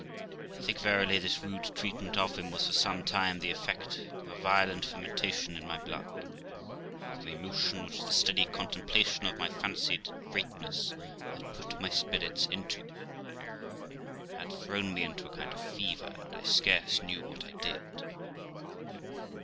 I think, verily, this rude treatment of him was for some time the effect of a violent fermentation in my blood; for the very motion which the THE LIFE OF ROXANA 333 Steady contemplation of my fancied greatness had put my spirits into had thrown me into a kind of fever, and I scarce knew what I did.